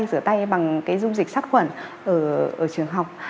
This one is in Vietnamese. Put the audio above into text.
rửa tay bằng cái dung dịch sát khuẩn ở trường học